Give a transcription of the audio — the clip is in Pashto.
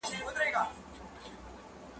زه به سبا ته فکر کړی وي؟